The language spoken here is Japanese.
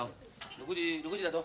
６時６時だぞ。